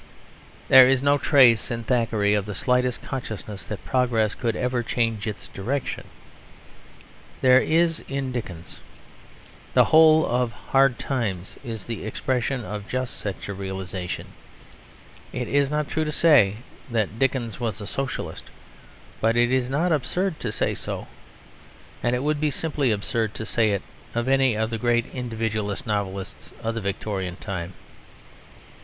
There is no trace in Thackeray of the slightest consciousness that progress could ever change its direction. There is in Dickens. The whole of Hard Times is the expression of just such a realisation. It is not true to say that Dickens was a Socialist, but it is not absurd to say so. And it would be simply absurd to say it of any of the great Individualist novelists of the Victorian time.